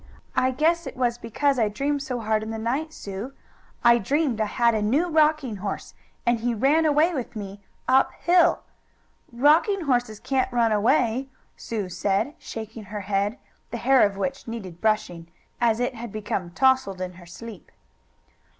"I guess it was because I dreamed so hard in the night, Sue. I dreamed I had a new rocking horse, and he ran away with me, up hill " "Rocking horses can't run away," Sue said, shaking her head, the hair of which needed brushing, as it had become "tousled" in her sleep.